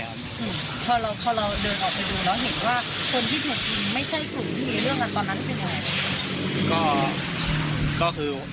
พอเราเดินออกไปดูแล้วเห็นว่าคนที่ถูกกลุ่มไม่ใช่กลุ่มที่มีเรื่องกันตอนนั้นคืออย่างไร